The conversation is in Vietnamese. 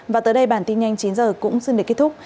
và tới đây bản tin nhanh chín h cũng xin để kết thúc